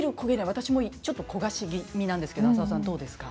私もちょっと焦がし気味なんですけど浅尾さんどうですか？